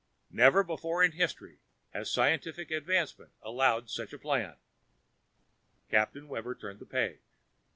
Never before in history has scientific advancement allowed such a plan." Captain Webber turned the page.